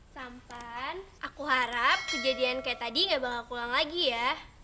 sampan aku harap kejadian kayak tadi gak bakal pulang lagi ya